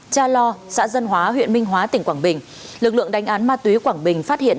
cha lo xã dân hóa huyện minh hóa tỉnh quảng bình lực lượng đánh án ma túy quảng bình phát hiện